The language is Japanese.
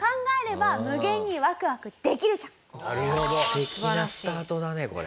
素敵なスタートだねこれ。